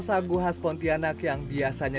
sagu khas pontianak yang biasanya